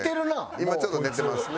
今ちょっと寝てますね。